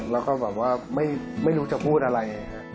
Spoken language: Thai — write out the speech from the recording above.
และก็ไม่รู้จะพูดอะไร